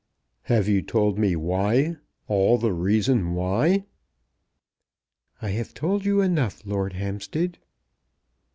"Have you told me why; all the reason why?" "I have told you enough, Lord Hampstead."